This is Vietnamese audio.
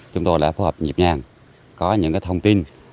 chúng tôi đã phối hợp nhịp nhàng có những thông tin